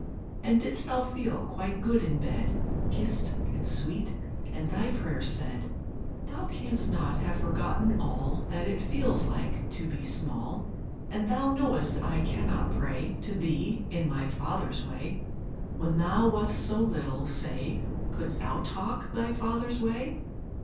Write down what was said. And didst Thou feel quite good in bed, Kissed, and sweet, and Thy prayers said? Thou canst not have forgotten all That it feels like to be small: And Thou know'st I cannot pray To Thee in my father's way When Thou wast so little, say, Couldst Thou talk Thy Father's way?